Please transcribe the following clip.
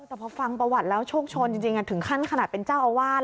แต่พอฟังประวัติแล้วโชคชนจริงถึงขั้นขนาดเป็นเจ้าอาวาส